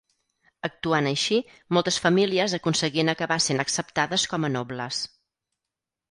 Actuant així, moltes famílies aconseguien acabar sent acceptades com a nobles.